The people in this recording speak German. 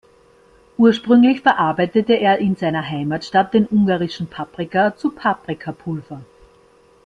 Ursprünglich verarbeitete er in seiner Heimatstadt den ungarischen Paprika zu Paprikapulver.